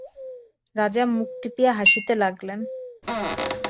রাজা মুখ টিপিয়া হাসিতে লাগিলেন।